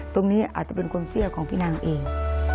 ตรงนี้อาจจะเป็นความเชื่อของพี่นางเอง